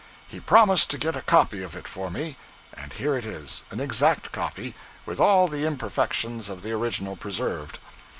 He promised to get a copy of it for me; and here it is an exact copy, with all the imperfections of the original preserved.